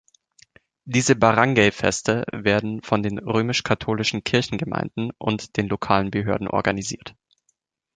Diese Baranggay-Feste werden von den römisch-katholischen Kirchengemeinden und den lokalen Behörden organisiert.